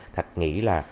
thạch nghĩ là